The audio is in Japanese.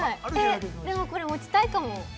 でも、これ持ちたいかも。